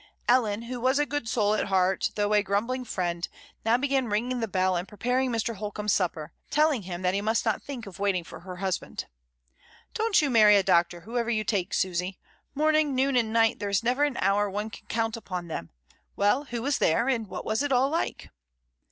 Ellen, who was a good soul at heart, though a grumbling friend, now began ringing the bell and preparing Mr. Holcombe's supper, telling him that 42 MRS. DYMOND. he must not think of waiting for her husband. "Don't you marry a doctor whoever you take, Susy: morning, noon, and night there is never an hour one can count upon them. Well, who was there, and what was it all like?"